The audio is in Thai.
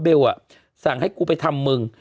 เบลอ่ะสั่งให้กูไปทำมึง